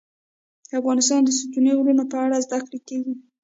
افغانستان کې د ستوني غرونه په اړه زده کړه کېږي.